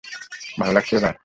ভালো লাগছে এবার?